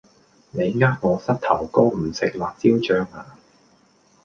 你呃我膝頭哥唔食辣椒醬呀